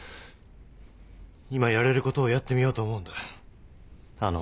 今やれることをやってみようと思うんだあのオケで。